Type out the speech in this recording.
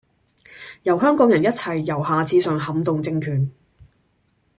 由香港人一齊由下至上撼動政權